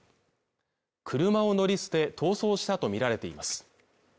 車を乗り捨て逃走したと見られています